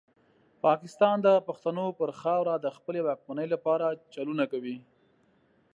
پاکستان د پښتنو پر خاوره د خپلې واکمنۍ لپاره چلونه کوي.